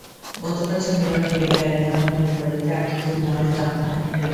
গতকাল শনিবার ভোরে বেড়াডাঙ্গা গ্রামের বাড়িতে আজিজের লাশ দাফন করা হয়।